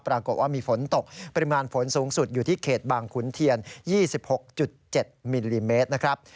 ปรากฏว่ามีฝนตกปริมาณฝนสูงสุดอยู่ที่เขตบางขุนเทียน๒๖๗มิลลิเมตรนะครับ